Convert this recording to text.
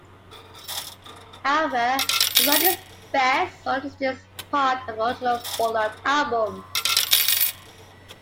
However, the song is best understood as part of the original Bolland album.